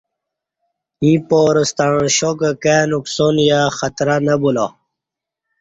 ییں پارہ ستݩع شا کہ کائی نقصان یا خطرہ نہ بولا